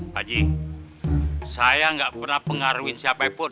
pak ji saya enggak pernah pengaruhin siapa pun